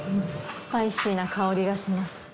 スパイシーな香りがします。